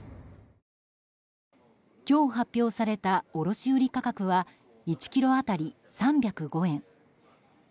今日発表された卸売価格は１ｋｇ当たり３０５円。